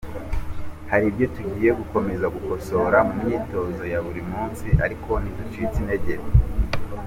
Hari ibyo tugiye gukomeza gukosora mu myitozo ya buri munsi ariko ntiducitse intege.